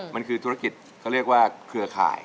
มันคือธุรกิจเขาเรียกว่าเครือข่าย